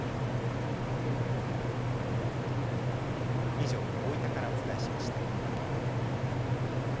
以上、大分からお伝えしました。